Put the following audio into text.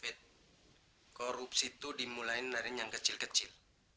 fit korupsi tuh dimulain darin yang kecil kecil